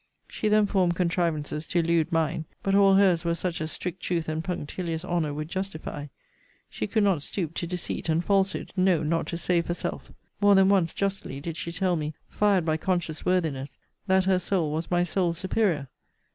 She then formed contrivances to elude mine; but all her's were such as strict truth and punctilious honour would justify. She could not stoop to deceit and falsehood, no, not to save herself. More than once justly did she tell me, fired by conscious worthiness, that her soul was my soul's superior!